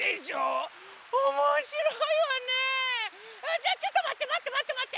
じゃあちょっとまってまってまってまって。